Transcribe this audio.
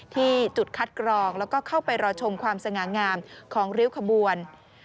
ที่จุดคัดกรองแล้วก็เข้าไปรอชมความสง่างามของริ้วขบวน